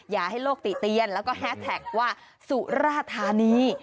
อย่าให้โลกติเตียนแล้วก็แฮสแท็กว่าสุราธานี